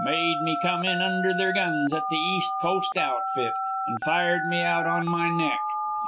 Made me come in under their guns at the East Coast outfit, and fired me out on my neck.